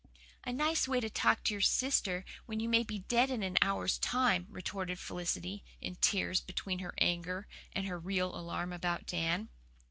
"A nice way to talk to your sister when you may be dead in an hour's time!" retorted Felicity, in tears between her anger and her real alarm about Dan.